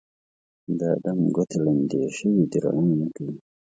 د ادم ګوتې ړندې شوي دي روڼا نه کوي